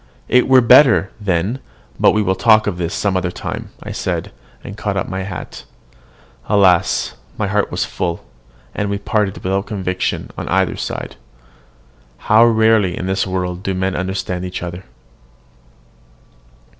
It were better, then but we will talk of this some other time," I said, and caught up my hat. Alas! my heart was full; and we parted without conviction on either side. How rarely in this world do men understand each other!